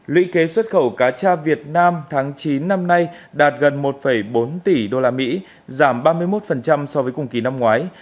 lũy kế xuất khẩu cá tra việt nam tháng chín năm nay đạt gần một bốn tỷ usd giảm ba mươi một so với cùng kỳ năm ngoái